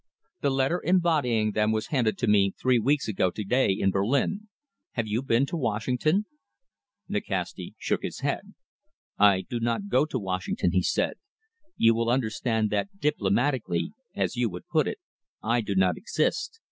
The letter embodying them was handed to me three weeks ago to day in Berlin. Have you been to Washington?" Nikasti shook his head. "I do not go to Washington," he said. "You will understand that diplomatically, as you would put it, I do not exist.